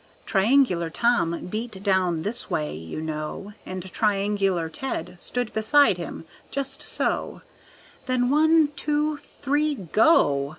Triangular Tom beat down this way, you know, And Triangular Ted stood beside him, just so, When one, two, three go!